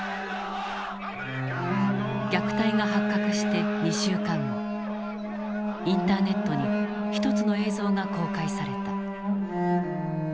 虐待が発覚して２週間後インターネットに一つの映像が公開された。